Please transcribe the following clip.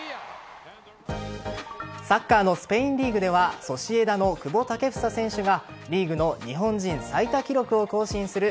サッカーのスペインリーグではソシエダの久保建英選手がリーグの日本人最多記録を更新する